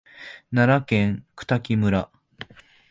奈良県黒滝村